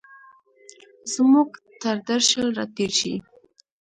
زموږ تردرشل، را تېرشي